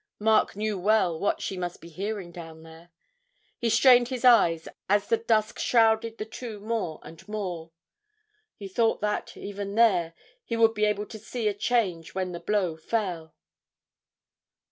Mark knew well what she must be hearing down there. He strained his eyes as the dusk shrouded the two more and more; he thought that, even there, he would be able to see a change when the blow fell.